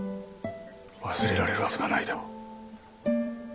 忘れられるはずがないだろ。